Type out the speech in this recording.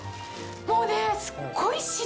もうね。